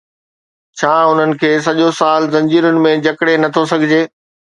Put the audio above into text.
ڇا انهن کي سڄو سال زنجيرن ۾ جڪڙي نٿو سگهجي؟